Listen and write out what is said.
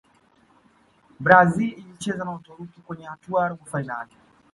brazil ilicheza na Uturuki kwenye hatua ya robo fainali